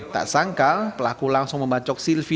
tak sangka pelaku langsung membacok silvi